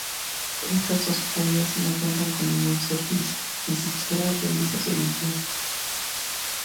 Estas dos playas no cuentan con ningún servicio, ni siquiera se realiza su limpieza.